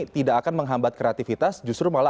tidak akan menghambat kreativitas justru malah